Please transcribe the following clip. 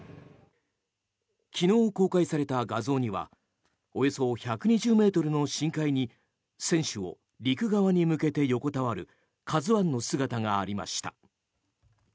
昨日公開された画像にはおよそ１２０ｍの深海に船首を陸側に向けて横たわる「ＫＡＺＵ１」の姿がありました。